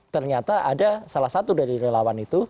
ternyata ada salah satu dari relawan itu